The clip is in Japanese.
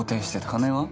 金は？